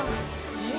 いえ